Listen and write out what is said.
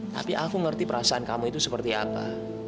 tapi aku ngerti perasaan kamu itu seperti apa